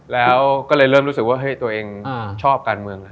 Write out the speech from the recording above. แล้วก็เลยเริ่มรู้สึกว่าเฮ้ยตัวเองชอบการเมือง